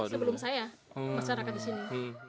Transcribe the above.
sebelum saya masyarakat di sini